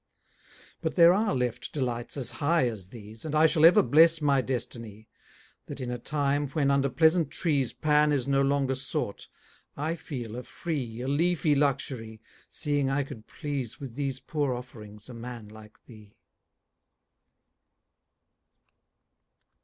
But there are left delights as high as these, And I shall ever bless my destiny, That in a time, when under pleasant trees Pan is no longer sought, I feel a free A leafy luxury, seeing I could please With these poor offerings, a man like thee.